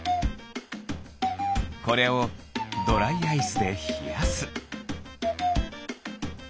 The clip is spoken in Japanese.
これをドライアイスでひやす。